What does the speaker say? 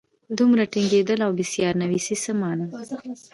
دومره ټینګېدل او یا بېسیار نویسي څه مانا.